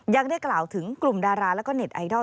ยังได้กล่าวถึงกลุ่มดาราแล้วก็เน็ตไอดอล